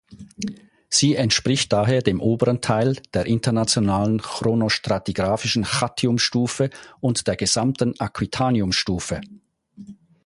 Sie entspricht daher dem oberen Teil der internationalen chronostratigraphischen Chattium-Stufe und der gesamten Aquitanium-Stufe.